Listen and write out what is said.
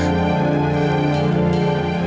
itu saat embarrassment ya